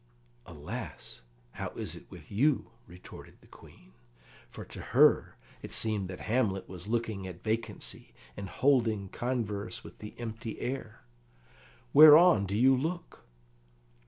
"Alas! how is it with you?" retorted the Queen, for to her it seemed that Hamlet was looking at vacancy, and holding converse with the empty air. "Whereon do you look?"